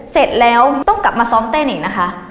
เสร็จแล้วต้องกลับมาซ้อมเต้นอีกนะคะ